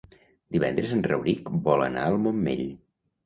Divendres en Rauric vol anar al Montmell.